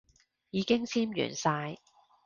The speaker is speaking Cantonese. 已經簽完晒